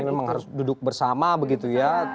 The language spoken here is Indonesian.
memang harus duduk bersama begitu ya